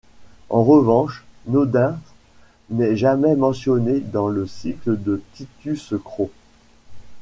En revanche, Nodens n'est jamais mentionné dans le cycle de Titus Crow.